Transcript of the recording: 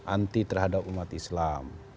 anti terhadap umat islam